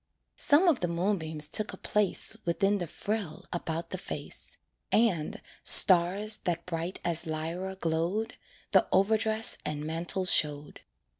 Some of the moonbeams took a place Within the frill about the face; And, stars that bright as Lyra glowed, The overdress and mantle showed.